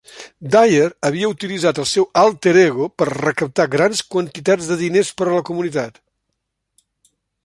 Dyer havia utilitzat el seu alter ego per recaptar grans quantitats de diners per a la comunitat.